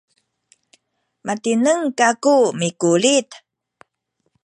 matineng kaku mikulit